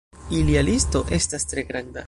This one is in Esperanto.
Ilia listo estas tre granda.